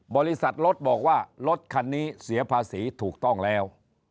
บริษัทรถบอกว่ารถคันนี้เสียภาษีถูกต้องแล้ว